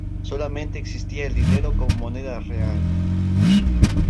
Solamente existía el dinero como moneda real.